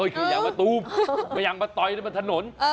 ไข่ยังมาตูมมาตอยแล้วมาถนน